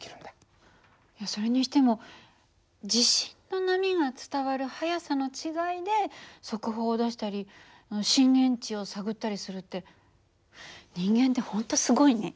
それにしても地震の波が伝わる速さの違いで速報を出したり震源地を探ったりするって人間って本当すごいね。